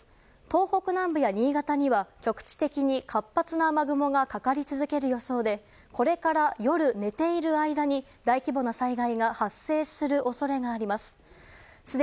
東北南部や新潟には局地的に活発な雨雲がかかり続ける予想でこれから夜、寝ている間に大規模な災害が発生する恐れがあります。